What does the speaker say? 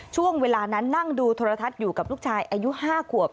ช่วงเวลานั้นนั่งดูโทรทัศน์อยู่กับลูกชายอายุ๕ขวบ